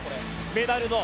メダルの。